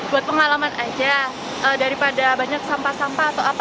buat pengalaman aja daripada banyak sampah sampah atau apa